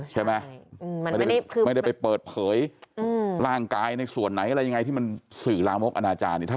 ใช่ไหมไม่ได้ไปเปิดเผยร่างกายในส่วนไหนอะไรยังไงที่มันสื่อลามกอนาจารย์